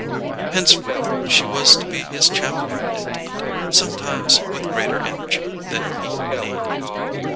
Henceforth she was to be his champion indeed, sometimes with greater energy than he would need.